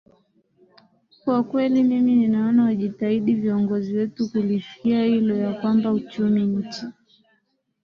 kwa kweli mimi ninaona wajitahidi viongozi wetu kulifikia hilo ya kwamba uchumi nchi